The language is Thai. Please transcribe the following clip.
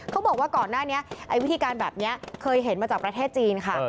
เขาบอกว่าก่อนหน้านี้วิธีการแบบนี้เคยเห็นมาจากประเทศจีนค่ะ